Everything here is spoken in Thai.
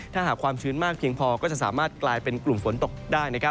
ถ้าหากความชื้นมากเพียงพอก็จะสามารถกลายเป็นกลุ่มฝนตกได้